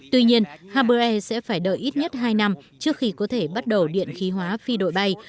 tuy nhiên haber air sẽ phải đợi ít nhất hai năm trước khi có thể bắt đầu điện khí hóa phi đội bay